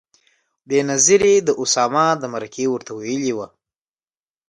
بېنظیرې د اسامه د مرکې ورته ویلي و.